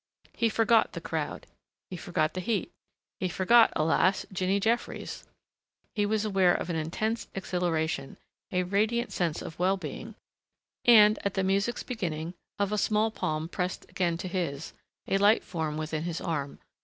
He forgot the crowd. He forgot the heat. He forgot alas! Jinny Jeffries. He was aware of an intense exhilaration, a radiant sense of well being, and at the music's beginning of a small palm pressed again to his, a light form within his arm